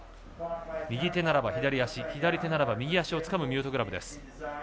右手ならば左足左手ならば右足をつかむミュートグラブです。